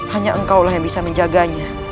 hanya engkau lah yang bisa menjaganya